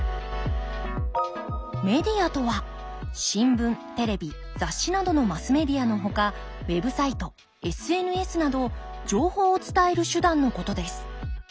メディアとは新聞テレビ雑誌などのマスメディアのほかウェブサイトＳＮＳなど情報を伝える手段のことです。